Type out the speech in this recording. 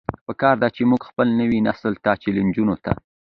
پکار ده چې مونږ خپل نوے نسل دې چيلنجونو ته